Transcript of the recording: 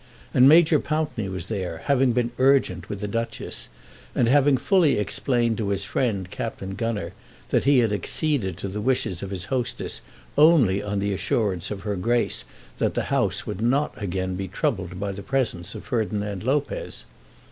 And Major Pountney was there, having been urgent with the Duchess, and having fully explained to his friend Captain Gunner that he had acceded to the wishes of his hostess only on the assurance of her Grace that the house would not be again troubled by the presence of Ferdinand Lopez.